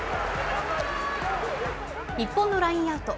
日本のラインアウト。